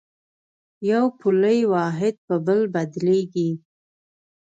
یو پولي واحد په بل بدلېږي.